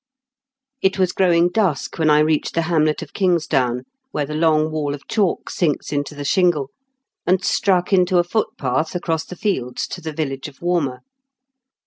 209 It was growing dusk when I reached the hamlet of Kingsdown, where the long wall of chalk sinks into the shingle, and struck into a footpath across the fields to the village of Walmer.